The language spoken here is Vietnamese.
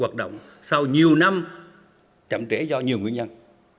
chậm trễ do nhiều nguyên nhân